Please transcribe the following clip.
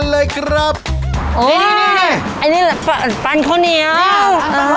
อร่อยมาก